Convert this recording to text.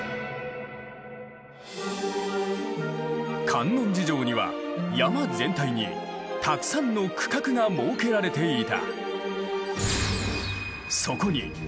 観音寺城には山全体にたくさんの区画が設けられていた。